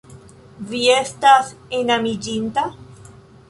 Vi estas enamiĝinta?